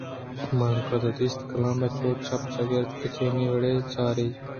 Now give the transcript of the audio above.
بانک تو دیست کلام چوں چپ ءُچاگردءَ گچینی وڑےءَ چاریت ءُ درکیت